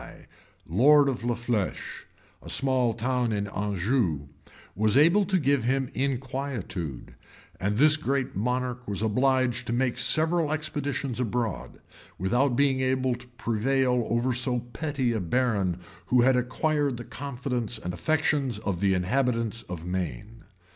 Even Helie, lord of La Fleche, a small town in Anjou, was able to give him inquietude; and this great monarch was obliged to make several expeditions abroad, without being able to prevail over so petty a baron, who had acquired the confidence and affections of the inhabitants of Maine.